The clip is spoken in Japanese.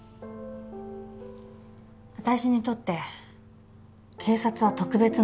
私にとって警察は特別なの。